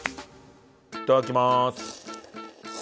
いただきます。